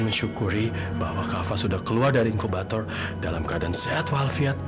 mensyukuri bahwa kava sudah keluar dari inkubator dalam keadaan sehat walafiat